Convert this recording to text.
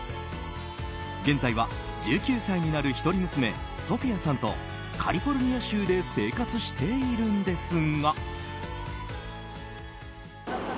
現在は１９歳になる一人娘ソフィアさんとカリフォルニア州で生活しているんですが。